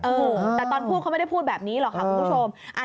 โอ้โหแต่ตอนพูดเขาไม่ได้พูดแบบนี้หรอกค่ะคุณผู้ชม